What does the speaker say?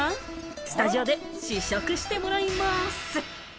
スタジオで試食してもらいます。